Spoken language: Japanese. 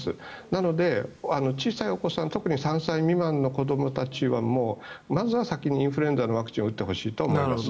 なので、小さいお子さん特に３歳未満の子どもたちはもう、まずは先にインフルエンザのワクチンを打ってほしいと思います。